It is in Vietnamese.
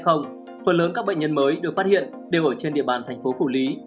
phần lớn các bệnh nhân mới được phát hiện đều ở trên địa bàn thành phố phủ lý